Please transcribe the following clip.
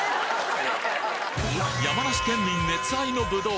山梨県民熱愛のぶどう。